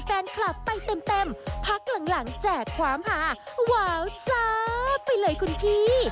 ความหาว้าวซ้าไปเลยคุณพี่